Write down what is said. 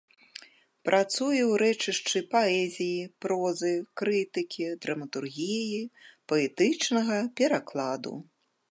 Працуе ў рэчышчы паэзіі, прозы, крытыкі, драматургіі, паэтычнага перакладу.